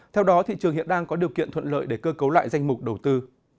theo đó thị trường hiện đang có điều kiện thuận lợi để cơ cấu lại danh mục đầu tư